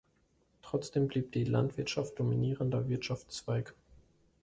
Trotzdem blieb die Landwirtschaft dominierender Wirtschaftszweig.